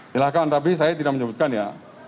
silahkan tapi saya tidak menyebutkan ya